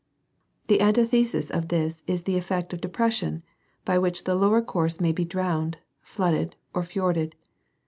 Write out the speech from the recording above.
The antithesis of this is the effect of depression, by which the lower course may be drowned, flooded or f jorded.